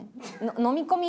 飲み込み。